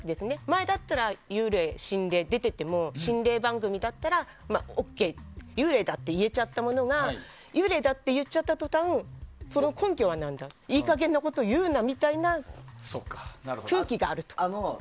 前だったら幽霊、心霊が出てても心霊番組だったらＯＫ、幽霊だって言えちゃったものが幽霊だって言っちゃったとたんその根拠は何だいい加減なこと言うなみたいな空気があると。